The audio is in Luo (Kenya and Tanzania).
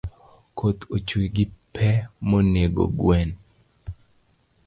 Koth ochue gi pe monego gwen